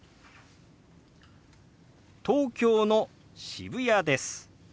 「東京の渋谷です」。